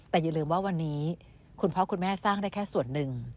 แต่อย่าลืมว่าวันนี้คุณพ่อคุณแม่สร้างได้แค่ส่วนหนึ่ง